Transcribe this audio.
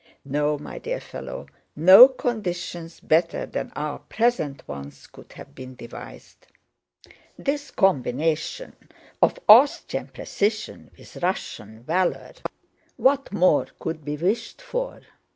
No, my dear fellow, no conditions better than our present ones could have been devised. This combination of Austrian precision with Russian valor—what more could be wished for?"